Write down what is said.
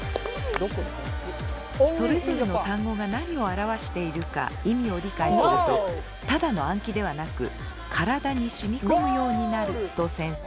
それぞれの単語が何を表しているか意味を理解するとただの暗記ではなく体に染み込むようになると先生。